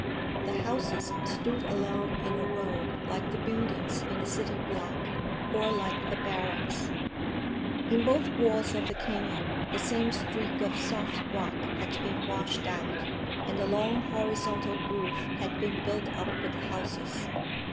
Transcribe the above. The houses stood along in a row, like the buildings in a city block, or like a barracks. In both walls of the canyon the same streak of soft rock had been washed out, and the long horizontal groove had been built up with houses.